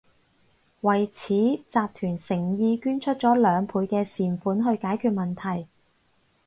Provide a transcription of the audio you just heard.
為此，集團誠意捐出咗兩倍嘅善款去解決問題